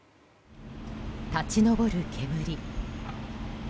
立ち上る煙。